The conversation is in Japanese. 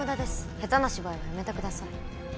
下手な芝居はやめてください。